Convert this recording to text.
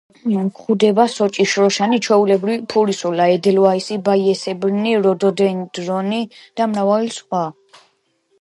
გვხვდება სოჭი, შროშანი, ჩვეულებრივი ფურისულა, ედელვაისი, ბაიასებრნი, როდოდენდრონი და მრავალი სხვა.